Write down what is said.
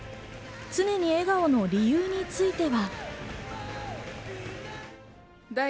常に笑顔の理由については。